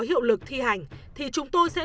hiệu lực thi hành thì chúng tôi sẽ